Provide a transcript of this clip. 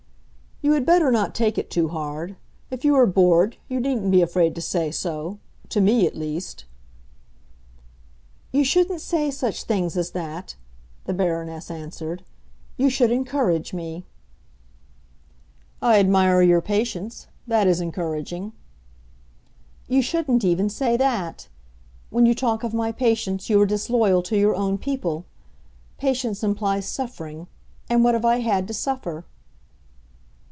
"You had better not take it too hard. If you are bored, you needn't be afraid to say so—to me at least." "You shouldn't say such things as that," the Baroness answered. "You should encourage me." "I admire your patience; that is encouraging." "You shouldn't even say that. When you talk of my patience you are disloyal to your own people. Patience implies suffering; and what have I had to suffer?"